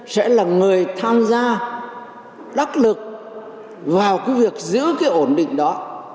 sẽ là người tham gia đắc lực vào cái việc giữ cái ổn định đó